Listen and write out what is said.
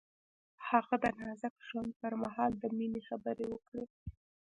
هغه د نازک ژوند پر مهال د مینې خبرې وکړې.